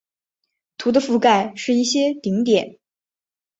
图的覆盖是一些顶点。